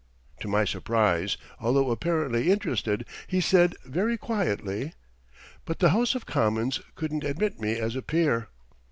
To my surprise, although apparently interested, he said very quietly: "But the House of Commons couldn't admit me as a peer."